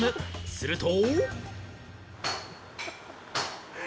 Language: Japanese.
すると。